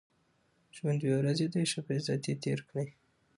ژوند دوې ورځي دئ، ښه په عزت ئې تېر کئ!